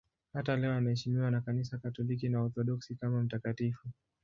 Hata leo anaheshimiwa na Kanisa Katoliki na Waorthodoksi kama mtakatifu.